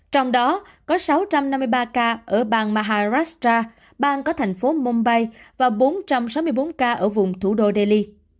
trong đó có sáu trăm năm mươi ba ca ở bang maharascha bang có thành phố mombay và bốn trăm sáu mươi bốn ca ở vùng thủ đô delhi